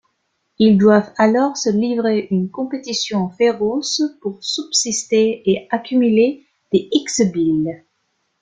Ils doivent alors se livrer une compétition féroce pour subsister et accumuler des X-Billes.